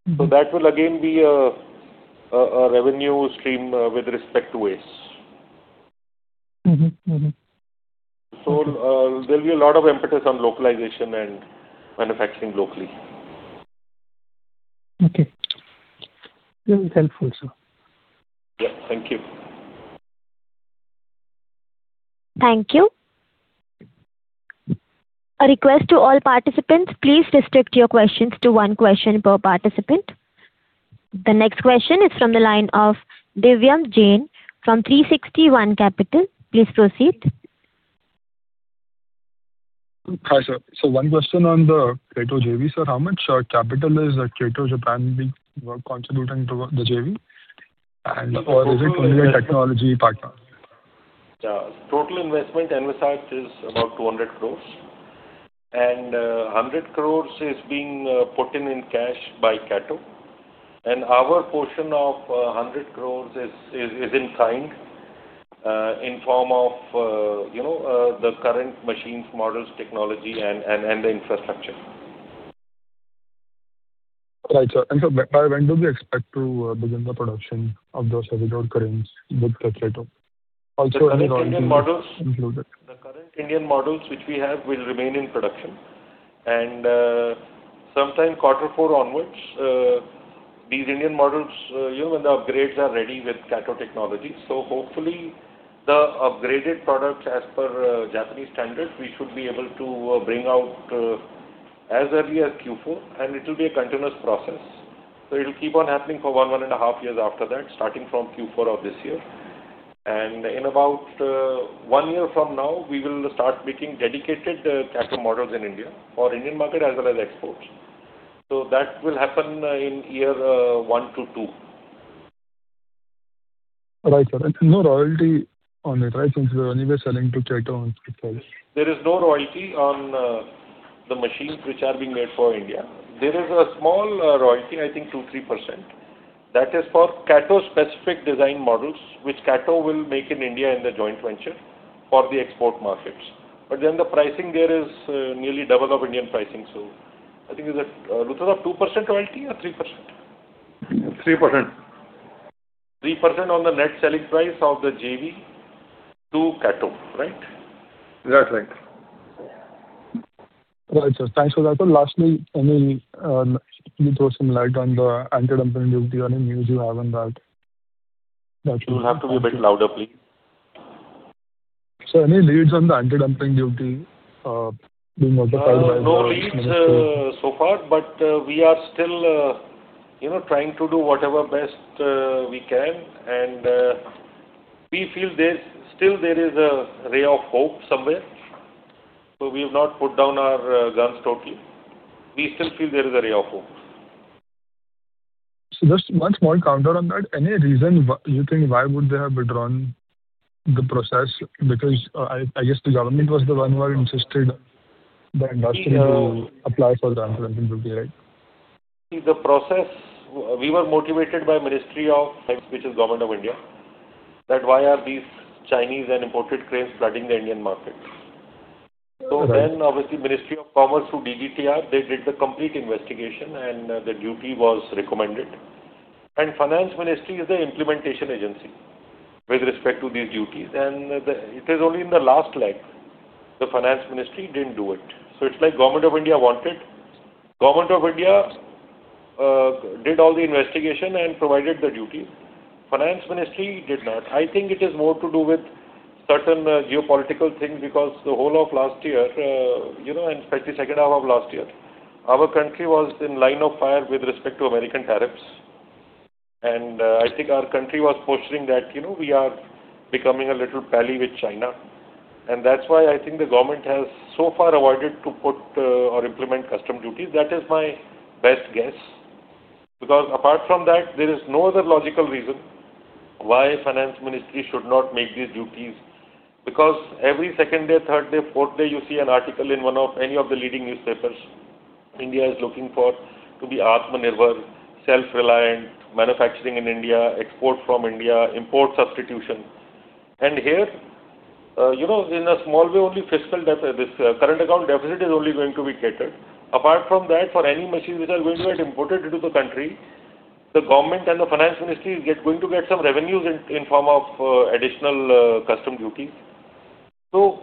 That will again be a revenue stream with respect to ACE. There'll be a lot of emphasis on localization and manufacturing locally. Okay. Very helpful, sir. Yeah. Thank you. Thank you. A request to all participants, please restrict your questions to one question per participant. The next question is from the line of Divyam Jain from 360 ONE Capital. Please proceed. Hi, sir. One question on the KATO JV, sir. How much capital is KATO Japan contributing to the JV? Is it only a technology partner? The total investment envisaged is about 200 crores. 100 crores is being put in in cash by KATO. Our portion of 100 crores is in kind, in form of the current machines, models, technology, and the infrastructure. Right, sir. By when do we expect to begin the production of those heavy-duty cranes with KATO? Also any technology included. The current Indian models which we have will remain in production. Sometime quarter four onwards, these Indian models, when the upgrades are ready with KATO technology. Hopefully the upgraded products as per Japanese standards, we should be able to bring out as early as Q4, and it will be a continuous process. It'll keep on happening for 1.5 years after that, starting from Q4 of this year. In about one year from now, we will start making dedicated KATO models in India for Indian market as well as exports. That will happen in year one to two. Right, sir. No royalty on it, right? Since we are anyway selling to KATO on split sales? There is no royalty on the machines which are being made for India. There is a small royalty, I think 2%-3%. That is for KATO specific design models, which KATO will make in India in the joint venture for the export markets. The pricing there is nearly double of Indian pricing. Luthra, 2% royalty or 3%? 3%. 3% on the net selling price of the JV to KATO, right? That's right. Right, sir. Thanks for that. Sir, lastly, can you throw some light on the anti-dumping duty? Any news you have on that? You will have to be a bit louder, please. Sir, any leads on the anti-dumping duty being notified by the Finance Ministry? No leads so far, we are still trying to do whatever best we can. We feel still there is a ray of hope somewhere, we have not put down our guns totally. We still feel there is a ray of hope. Sir, just one small counter on that. Any reason you think why would they have withdrawn the process? I guess the government was the one who had insisted the industry to apply for the anti-dumping duty, right? See, the process, we were motivated by Ministry of Finance, which is Government of India, that why are these Chinese and imported cranes flooding the Indian market. Right. Obviously, Ministry of Commerce through DGTR, they did the complete investigation, and the duty was recommended. Finance Ministry is the implementation agency with respect to these duties. It is only in the last leg, the Finance Ministry didn't do it. It's like Government of India wanted, Government of India did all the investigation and provided the duty. Finance Ministry did not. I think it is more to do with certain geopolitical things because the whole of last year, and especially second half of last year, our country was in line of fire with respect to American tariffs. I think our country was posturing that we are becoming a little pally with China. That's why I think the government has so far avoided to put or implement custom duties. That is my best guess. Apart from that, there is no other logical reason why Finance Ministry should not make these duties. Every second day, third day, fourth day, you see an article in one of any of the leading newspapers, India is looking forward to be Atmanirbhar, self-reliant, manufacturing in India, export from India, import substitution. Here in a small way, only this current account deficit is only going to be catered. Apart from that, for any machines which are going to get imported into the country, the government and the Finance Ministry is going to get some revenues in form of additional custom duty.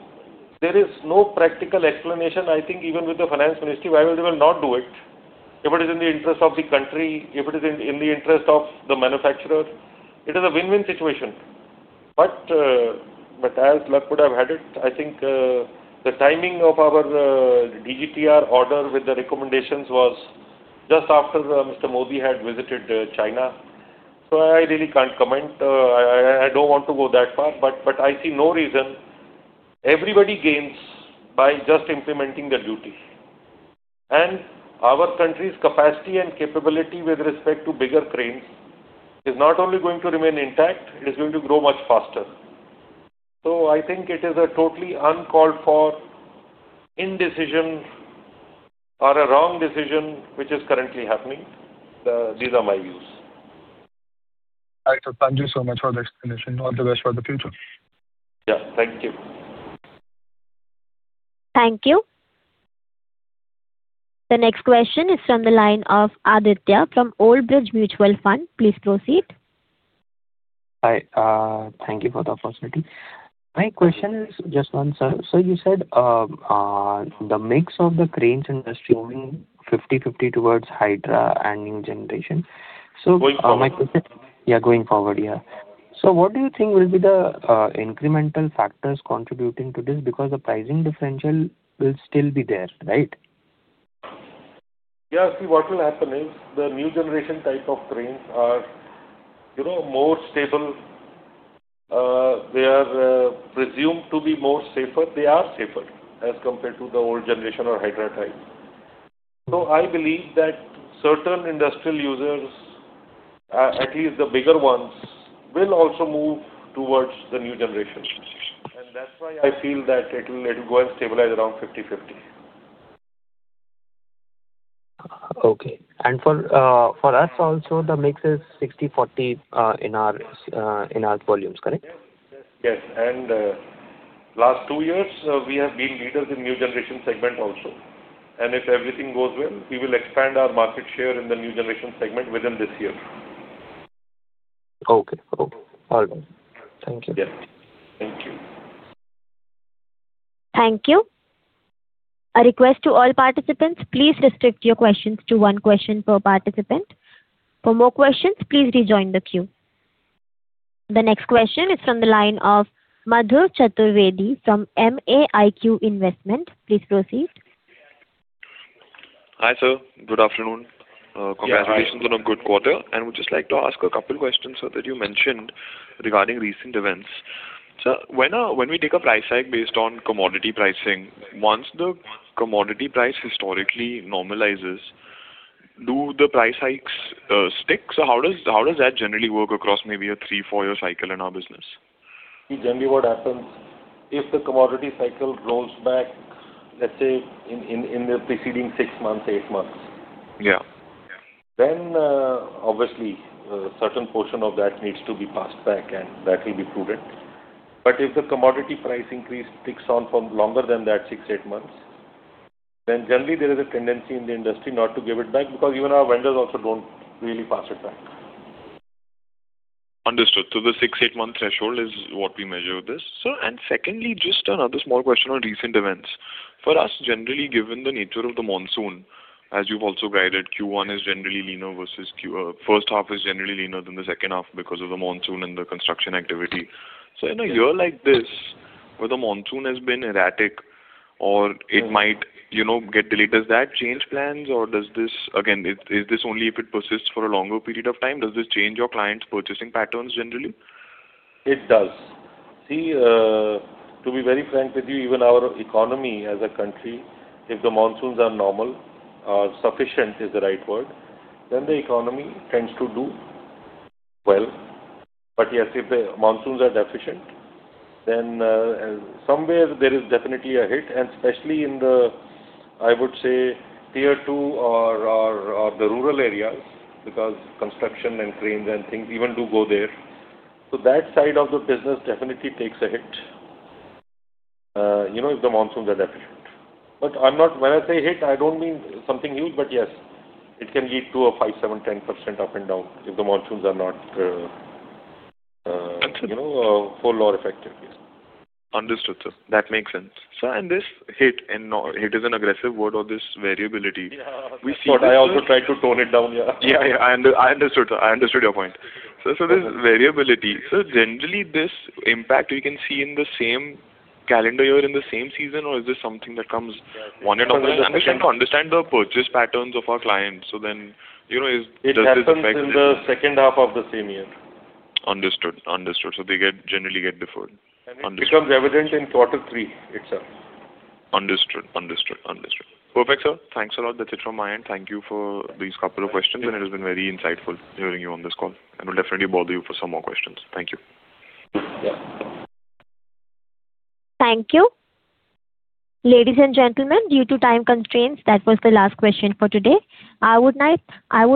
There is no practical explanation, I think, even with the Finance Ministry, why would they will not do it. If it is in the interest of the country, if it is in the interest of the manufacturer, it is a win-win situation. As luck would have had it, I think the timing of our DGTR order with the recommendations was just after Mr. Modi had visited China, I really can't comment. I don't want to go that far, I see no reason. Everybody gains by just implementing the duty. Our country's capacity and capability with respect to bigger cranes is not only going to remain intact, it is going to grow much faster. I think it is a totally uncalled for indecision or a wrong decision, which is currently happening. These are my views. Right, sir. Thank you so much for the explanation. All the best for the future. Yeah. Thank you. Thank you. The next question is from the line of [Aditya] from Old Bridge Mutual Fund. Please proceed. Hi. Thank you for the opportunity. My question is just one, sir. You said the mix of the cranes industry moving 50/50 towards Hydra and new generation? Going forward? Yeah, going forward, yeah. What do you think will be the incremental factors contributing to this? Because the pricing differential will still be there, right? Yeah. See, what will happen is the new generation type of cranes are more stable. They are presumed to be more safer. They are safer as compared to the old generation or Hydra type. I believe that certain industrial users, at least the bigger ones, will also move towards the new generation. That's why I feel that it'll go and stabilize around 50/50. Okay. For us also, the mix is 60/40 in our volumes, correct? Yes. Last two years, we have been leaders in new generation segment also. If everything goes well, we will expand our market share in the new generation segment within this year. Okay. All good. Thank you. Yes. Thank you. Thank you. A request to all participants: please restrict your questions to one question per participant. For more questions, please rejoin the queue. The next question is from the line of Madhur Chaturvedi from MAIQ Investment. Please proceed. Hi, sir. Good afternoon. Yeah, hi. Congratulations on a good quarter. Would just like to ask a couple questions, sir, that you mentioned regarding recent events. Sir, when we take a price hike based on commodity pricing, once the commodity price historically normalizes, do the price hikes stick? Sir, how does that generally work across maybe a three, four-year cycle in our business? See, generally what happens, if the commodity cycle rolls back, let's say, in the preceding six months, eight months. Yeah. Obviously, a certain portion of that needs to be passed back, and that will be prudent. If the commodity price increase sticks on for longer than that six, eight months, generally there is a tendency in the industry not to give it back, because even our vendors also don't really pass it back. Understood. The six to eight-month threshold is what we measure this. Secondly, just another small question on recent events. For us, generally, given the nature of the monsoon, as you've also guided, first half is generally leaner than the second half because of the monsoon and the construction activity. In a year like this, where the monsoon has been erratic or it might get delayed, does that change plans or, again, is this only if it persists for a longer period of time? Does this change your clients' purchasing patterns, generally? It does. To be very frank with you, even our economy as a country, if the monsoons are normal or sufficient, is the right word, then the economy tends to do well. Yes, if the monsoons are deficient, then somewhere there is definitely a hit, and especially in the, I would say, Tier 2 or the rural areas, because construction and cranes and things even do go there. That side of the business definitely takes a hit, if the monsoons are deficient. When I say hit, I don't mean something huge, but yes, it can lead to a 5%, 7%, 10% up and down if the monsoons are not- Understood. full or effective, yes. Understood. That makes sense. This hit, and hit is an aggressive word or this variability- Yeah. That's what I also tried to tone it down. Yeah. Yeah. I understood, sir. I understood your point. This variability, sir, generally this impact we can see in the same calendar year, in the same season, or is this something that comes one and off? We can understand the purchase patterns of our clients, does this affect? It happens in the second half of the same year. Understood. They generally get deferred. Understood. It becomes evident in quarter three itself. Understood. Perfect, sir. Thanks a lot. That's it from my end. Thank you for these couple of questions, and it has been very insightful hearing you on this call. Will definitely bother you for some more questions. Thank you. Yeah. Thank you. Ladies and gentlemen, due to time constraints, that was the last question for today. I would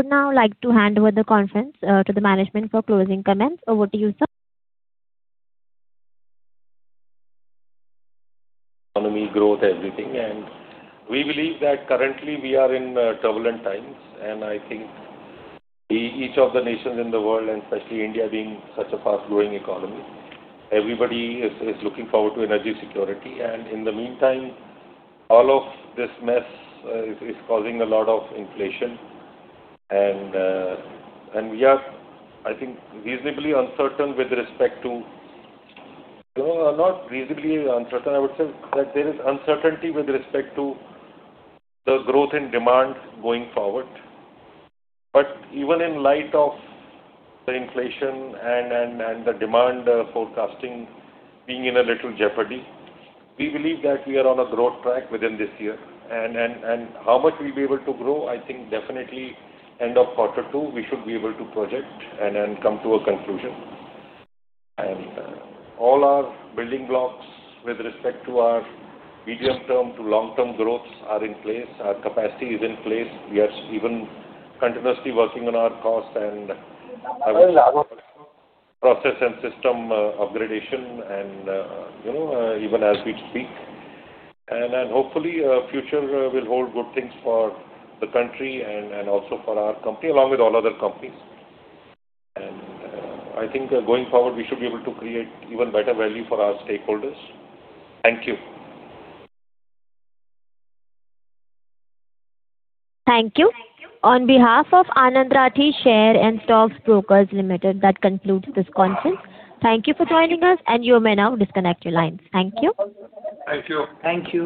now like to hand over the conference to the management for closing comments. Over to you, sir. Economy growth, everything. We believe that currently we are in turbulent times, and I think each of the nations in the world, and especially India being such a fast-growing economy, everybody is looking forward to energy security. In the meantime, all of this mess is causing a lot of inflation. We are, I think, reasonably uncertain with respect to Not reasonably uncertain, I would say, that there is uncertainty with respect to the growth in demand going forward. Even in light of the inflation and the demand forecasting being in a little jeopardy, we believe that we are on a growth track within this year. How much we'll be able to grow, I think definitely end of quarter two, we should be able to project and then come to a conclusion. All our building blocks with respect to our medium term to long-term growths are in place. Our capacity is in place. We are even continuously working on our costs and our process and system up gradation, even as we speak. Hopefully, future will hold good things for the country and also for our company, along with all other companies. I think going forward, we should be able to create even better value for our stakeholders. Thank you. Thank you. On behalf of Anand Rathi Share and Stock Brokers Limited, that concludes this conference. Thank you for joining us, and you may now disconnect your lines. Thank you. Thank you. Thank you.